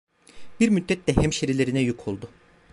Bir müddet de hemşerilerine yük oldu.